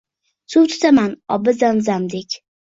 Suv tutaman obi Zam-Zamdek